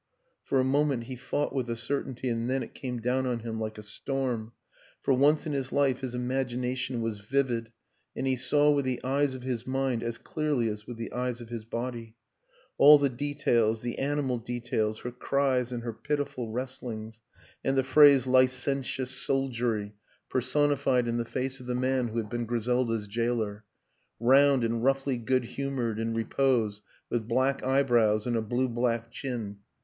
... For a moment he fought with the certainty, and then it came down on him like a storm: for once in his life his imagination was vivid, and he saw with the eyes of his mind as clearly as with the eyes of his body. All the de tails, the animal details, her cries and her pitiful wrestlings; and the phrase "licentious soldiery'* WILLIAM AN ENGLISHMAN 141 personified in the face of the man who had been Griselda's jailer. Round and roughly good humored in repose with black eyebrows and a blue black chin.